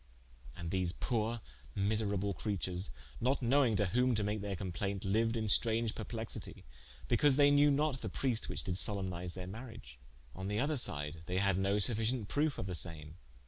And these poore miserable creatures, not knowing to whom to make their complainte, liued in straunge perplexitie, bicause they knew not the priest which did solempnise their mariage. On the other side they had no sufficient proofe of the same.